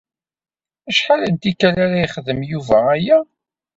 Acḥal n tikkal ara yexdem Yuba aya?